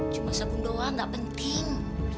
cuma sabun doang gak penting